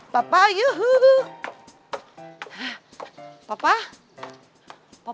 dia tak pernah berima laten meng jorgeadi